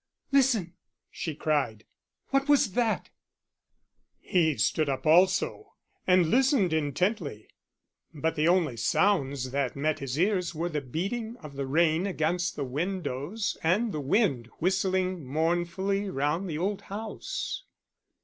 "Listen!" she cried. "What was that?" He stood up also, and listened intently, but the only sounds that met his ears were the beating of the rain against the windows and the wind whistling mournfully round the old house.